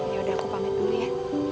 yaudah aku pamit dulu ya